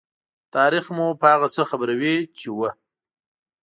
تاریخ مو په هغه څه خبروي چې وو.